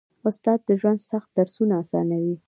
استاد د ژوند سخت درسونه اسانوي.